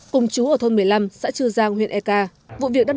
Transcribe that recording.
cùng chú ở thôn một mươi năm xã chư giang huyện eka